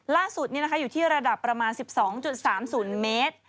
ล่าสุดอยู่ที่ระดับประมาณ๑๒๓๐เมตร